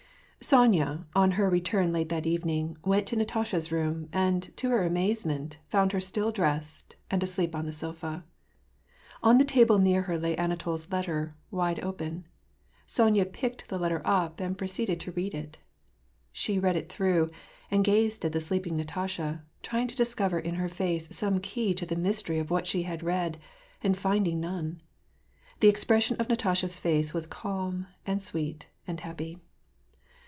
Sony A, on her return late that evening, went to Natasha's room, and, to her amazement, found her still dressed, and asleep on the sofa. On the table near her lay Anatol's letter, wide open. Sonya picked the letter up, and proceeded to read it. She read it through, and gazed at the sleeping Natasha, trying to discover in her face some key to the mystery of what she had read, and finding none. The expression of Natasha's face was calm and sweet and happy.